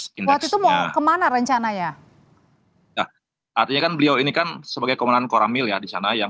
singkat itu mau kemana rencana ya artinya kan beliau ini kan sebagai komandan koramil ya di sana yang